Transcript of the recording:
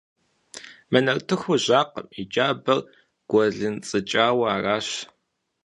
Мы нартыхур жьакъым, и джабэр гуэлынцӏыкӏауэ аращ.